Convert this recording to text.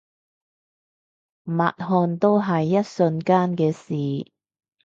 抹汗都係一瞬間嘅事